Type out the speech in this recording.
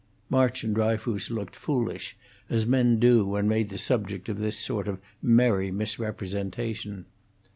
March and Dryfoos looked foolish, as men do when made the subject of this sort of merry misrepresentation.